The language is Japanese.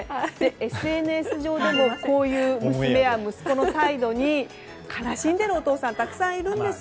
ＳＮＳ上でもこういう娘や息子の態度に悲しんでいるお父さんたくさんいるんです。